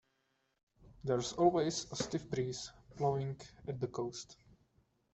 There's always a stiff breeze blowing at the coast.